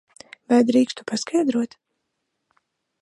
Vai drīkstu paskaidrot?